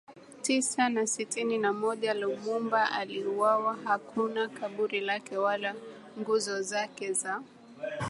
Tisa na sitini na moja Lumumba aliuwawa Hakuna kaburi lake wala nguzo zake za